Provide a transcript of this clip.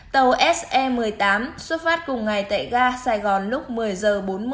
tàu se một mươi tám xuất phát cùng ngày tại gà sài gòn lúc một mươi giờ bốn mươi